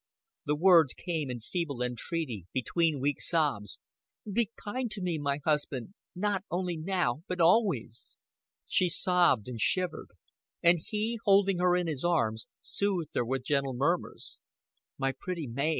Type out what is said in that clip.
The words came in feeble entreaty, between weak sobs. "Be kind to me my husband not only now but always." She sobbed and shivered; and he, holding her in his arms, soothed her with gentle murmurs. "My pretty Mav!